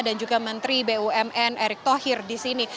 dan juga menteri bumn erick thohir di sini